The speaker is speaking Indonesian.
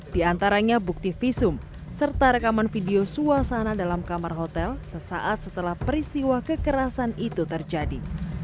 di antaranya bukti visum serta rekaman video suasana dalam kamar hotel sesaat setelah peristiwa kekerasan itu terjadi